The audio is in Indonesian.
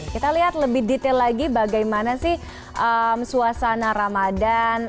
kita lihat lebih detail lagi bagaimana sih suasana ramadan